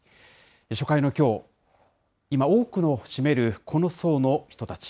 初回のきょう、今多くの占めるこの層の人たち。